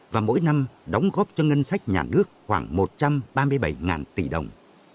và mỗi năm đóng góp cho ngân sách nhà nước khoảng một trăm ba mươi bảy tỷ đồng